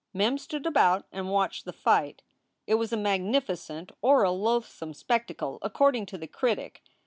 * Men stood about and watched the fight. It was a magnificent or a loathsome spectacle, according to the critic.